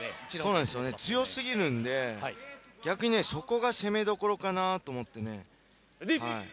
強すぎるので、逆にそこが攻めどころかなと。